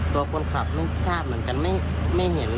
ตัวคนขับไม่ทราบเหมือนกันไม่เห็น